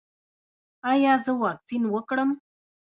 ایا زه واکسین وکړم؟